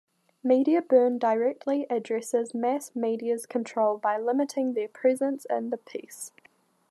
Media Burn directly addresses mass media's control by limiting their presence in the piece.